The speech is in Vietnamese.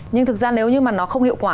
nhưng thật ra nếu như nó không hiệu quả